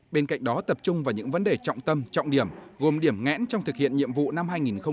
bên cạnh đó tập trung vào những vấn đề trọng tâm trọng điểm gồm điểm ngẽn trong thực hiện nhiệm vụ năm hai nghìn hai mươi